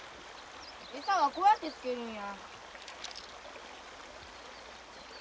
餌はこうやってつけるんや。